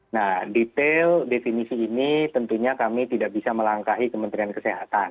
nah detail definisi ini tentunya kami tidak bisa melangkahi kementerian kesehatan